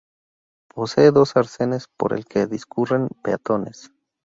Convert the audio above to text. Posee dos arcenes por el que discurren peatones.